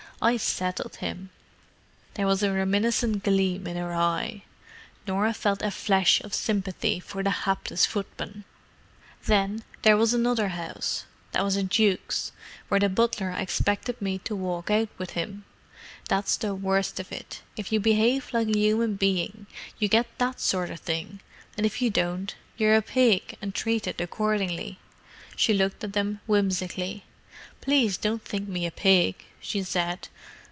I settled him!" There was a reminiscent gleam in her eye: Norah felt a flash of sympathy for the hapless footman. "Then there was another house—that was a duke's—where the butler expected me to walk out with him. That's the worst of it: if you behave like a human being you get that sort of thing, and if you don't you're a pig, and treated accordingly." She looked at them whimsically. "Please don't think me a pig!" she said.